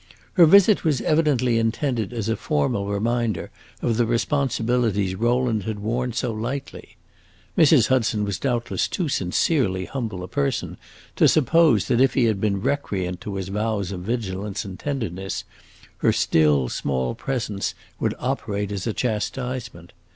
Her visit was evidently intended as a formal reminder of the responsiblities Rowland had worn so lightly. Mrs. Hudson was doubtless too sincerely humble a person to suppose that if he had been recreant to his vows of vigilance and tenderness, her still, small presence would operate as a chastisement.